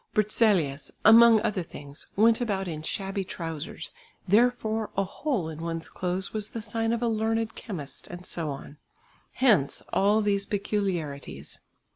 Berzelius, among other things, went about in shabby trousers, therefore a hole in one's clothes was the sign of a learned chemist, and so on. Hence all these peculiarities.